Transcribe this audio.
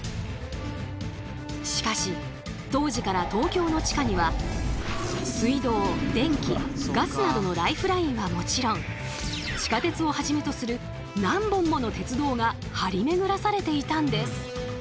しかし当時から東京の地下には水道・電気・ガスなどのライフラインはもちろん地下鉄をはじめとする何本もの鉄道が張りめぐらされていたんです。